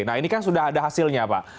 nah ini kan sudah ada hasilnya pak